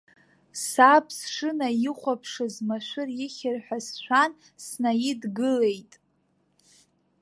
Саб сшынаихәаԥшыз машәыр ихьыр ҳәа сшәан, снаидгылеит.